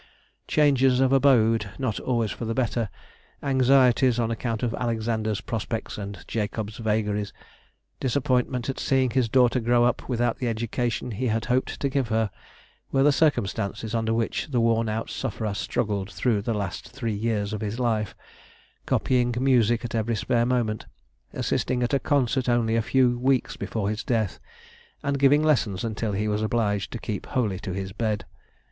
Changes of abode, not always for the better; anxieties, on account of Alexander's prospects and Jacob's vagaries; disappointment, at seeing his daughter grow up without the education he had hoped to give her; were the circumstances under which the worn out sufferer struggled through the last three years of his life, copying music at every spare moment, assisting at a Concert only a few weeks before his death, and giving lessons until he was obliged to keep wholly to his bed.